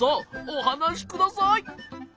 おはなしください。